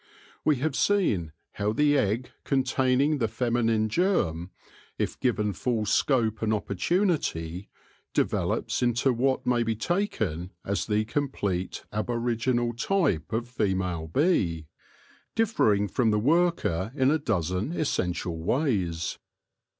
We have seen how the egg containing the feminine germ, if given full scope and opportunity, develops into what may be taken as the complete aboriginal type of female bee, differing from the worker in a dozen essential ways.